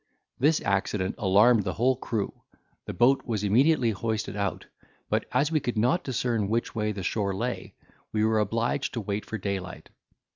This accident alarmed the whole crew; the boat was immediately hoisted out, but as we could not discern which way the shore lay, we were obliged to wait for daylight.